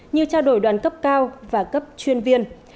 như trao đổi đoàn cấp cao và cấp chuyên viên